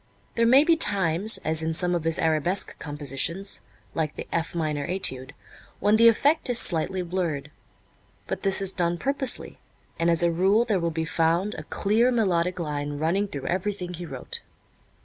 There may be times, as in some of his arabesque compositions, like the "F Minor Étude," when the effect is slightly blurred. But this is done purposely, and as a rule there will be found a clear melodic line running through everything he wrote.